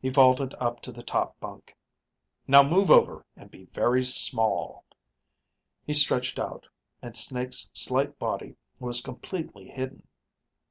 He vaulted up to the top bunk. "Now move over and be very small." He stretched out, and Snake's slight body was completely hidden.